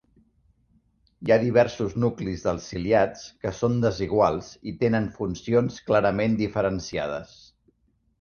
Hi ha diversos nuclis dels ciliats que són desiguals i tenen funcions clarament diferenciades.